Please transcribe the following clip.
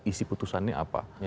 isi putusannya apa